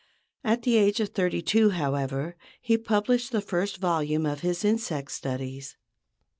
At the age of thirty two, however, he published the first volume of his insect studies.